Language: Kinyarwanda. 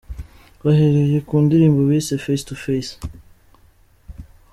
Bahereye ku ndirimbo bise ’Face to Face’.